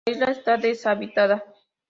La isla está deshabitada.